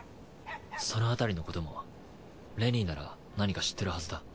そのあたりのこともレニーなら何か知ってるはずだ。